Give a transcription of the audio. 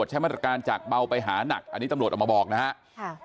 จากบ่าวไปหานักอันนี้ตำรวจล่อบบอกนะครับ